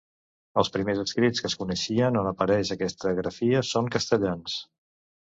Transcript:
Els primers escrits que es coneixen on apareix aquesta grafia són castellans.